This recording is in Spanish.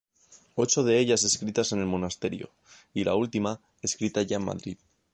Ocho de ellas escritas en el monasterio, y la última, escrita ya en Madrid.